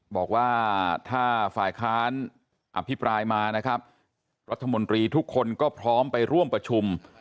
บอกว่าถ้าฝ่ายค้านอภิปรายมานะครับรัฐมนตรีทุกคนก็พร้อมไปร่วมประชุม